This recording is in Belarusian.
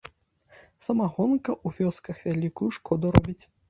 Самагонка ў вёсках вялікую шкоду робіць.